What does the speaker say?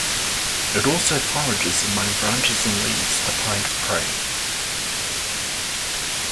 It also forages among branches and leaves to find prey.